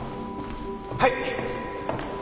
はい。